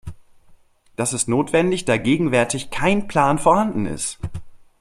Das ist notwendig, da gegenwärtig kein Plan vorhanden ist.